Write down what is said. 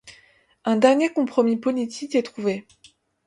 Un premier compromis politique est trouvé.